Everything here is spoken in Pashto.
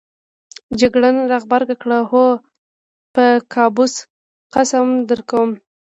جګړن راغبرګه کړه: هو په باکوس قسم درکوو.